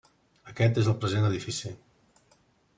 Aquest és el present edifici.